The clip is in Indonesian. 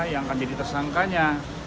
yang akan jadi tersangkanya